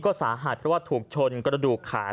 ก็สาหัสเพราะว่าถูกชนกระดูกขา